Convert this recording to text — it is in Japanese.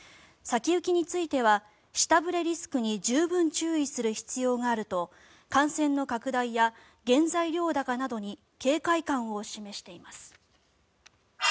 先行きについては下振れリスクに十分注意する必要があると感染の拡大や原材料高などに警戒感を示しています。